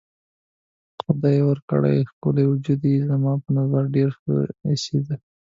خدای ورکړی ښکلی وجود یې زما په نظر ډېر ښه ایسېده.